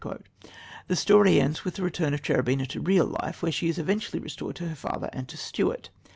The story ends with the return of Cherubina to real life, where she is eventually restored to her father and to Stuart.